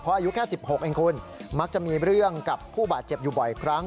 อายุแค่๑๖เองคุณมักจะมีเรื่องกับผู้บาดเจ็บอยู่บ่อยครั้ง